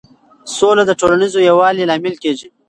سوله د ټولنیز یووالي لامل کېږي.